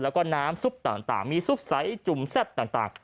แล้วก็น้ำซุปต่างมีซุปใสจุ่มแซ่บต่าง